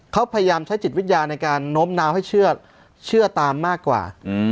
เขาพยายามใช้จิตวิทยาในการโน้มน้าวให้เชื่อตามมากกว่า